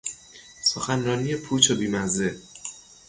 سخنرانی پوچ و بیمزه